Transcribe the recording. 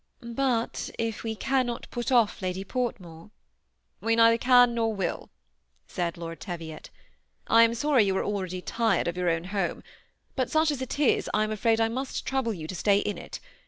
but, if we cannot pat off Lady Port* more" We neither can nor will," said Lord Teviot I am sorry you are already tired of your own home; but, such as it is, I am afraid I must trouble you to stay in it.